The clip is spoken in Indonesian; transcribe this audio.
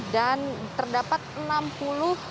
dan terdapat enam puluh detik